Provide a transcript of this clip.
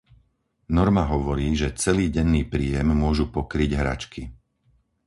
Norma hovorí, že celý denný príjem môžu pokryť hračky.